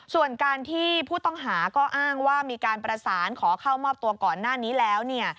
ส่วนการที่ผู้ต้องหาก็อ้างว่ามีการประสานขอเข้ามอบตัวก่อนหน้านี้แล้วเนี่ย